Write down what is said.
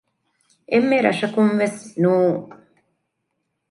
އެންމެ ރަށަކުން ވެސް ނޫން